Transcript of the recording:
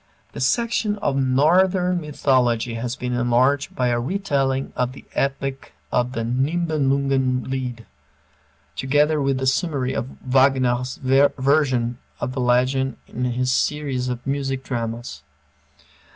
The section on Northern Mythology has been enlarged by a retelling of the epic of the "Nibelungen Lied," together with a summary of Wagner's version of the legend in his series of music dramas.